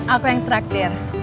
aku yang traktir